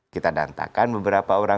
kita dantakan beberapa orang